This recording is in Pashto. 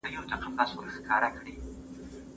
پاچهي به هيچا نه كړل په كلونو